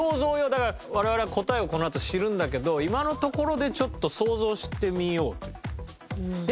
だから我々は答えをこのあと知るんだけど今のところでちょっと想像してみようと。